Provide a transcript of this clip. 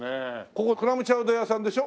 ここクラムチャウダー屋さんでしょ？